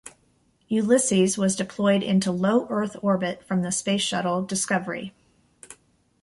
"Ulysses" was deployed into low-Earth orbit from the Space Shuttle "Discovery".